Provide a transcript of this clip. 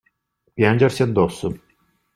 Piangersi addosso.